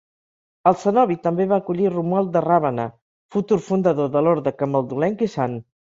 El cenobi també va acollir Romuald de Ravenna, futur fundador de l'orde camaldulenc i sant.